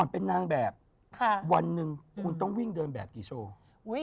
เป็นนางแบบวันหนึ่งคุณต้องวิ่งเดินแบบกี่โชว์